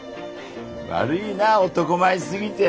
悪いな男前すぎて！